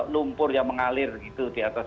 lumpur yang mengalir gitu di atas